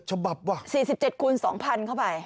ฉบับว่ะ๔๗คูณ๒๐๐เข้าไป